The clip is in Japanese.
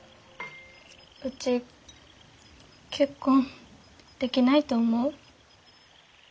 うち結婚できないと思う？